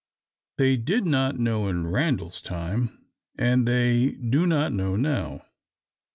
They did not know in Randal's time, and they do not know now.